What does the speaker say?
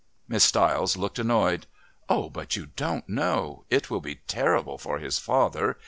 Miss Stiles looked annoyed. "Oh, but you don't know. It will be terrible for his father.